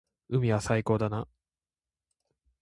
海は最高だな。